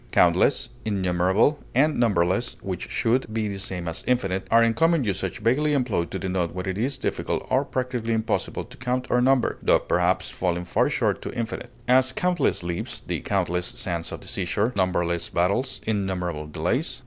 Countless, innumerable, and numberless, which should be the same as infinite, are in common usage vaguely employed to denote what it is difficult or practically impossible to count or number, tho perhaps falling far short of infinite; as, countless leaves, the countless sands on the seashore, numberless battles, innumerable delays.